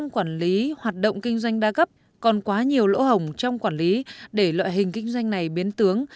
quản lý hoạt động kinh doanh đa cấp còn quá nhiều lỗ hồng trong quản lý để loại hình kinh doanh này biến tướng